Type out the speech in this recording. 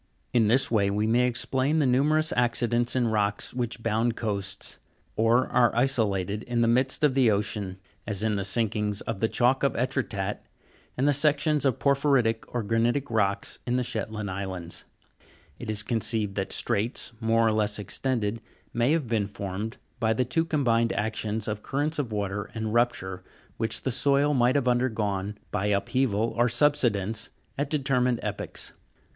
In this way we may explain the numerous accidents in rocks which bound coasts, or are isolated in the midst of the ocean, as in the sinkings of the chalk of Etretat (fig. 291), and the sec tions of porphyritic or granitic rocks in the Shetland islands (fig. 292). It is conceived that straits, more or less extended, may have been formed by the two combined actions of currents of water and rupture which the soil might have undergone, by upheaval or subsidence, at determined epochs.